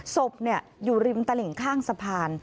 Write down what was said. ศพอยู่ริมตลิ่งข้างสะพาน